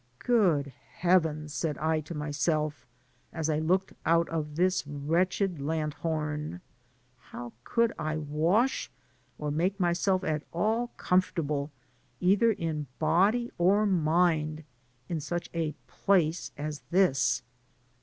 Good heavens !" said I to myself, as I looked out of. this wretched lantern "how could I wash or make myself at all comfortable, either in body or mind, in such a place as this?